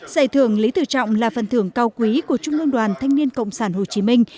giải thưởng lý tự trọng là phần thưởng cao quý của trung ương đoàn thanh niên cộng sản hồ chí minh